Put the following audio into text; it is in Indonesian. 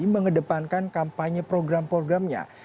mengedepankan kampanye program programnya